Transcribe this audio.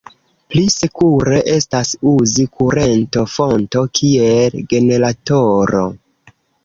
Pli sekure estas uzi kurento-fonto kiel generatoro.